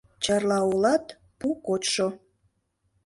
Чарла олат - пу кочшо.